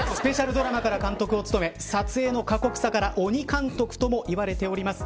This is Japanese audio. スペシャルドラマから監督を務め撮影の過酷さから鬼監督とも言われております。